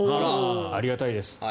ありがたいです。